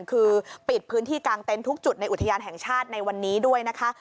คือปิดพื้นที่กลางเต็นต์ทุกจุดในอุทยานแห่งชาติในวันนี้ด้วยนะคะ